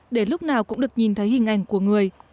để lúc nào cũng được nhìn thấy hình ảnh của người